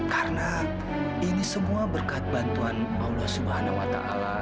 karena ini semua berkat bantuan allah swt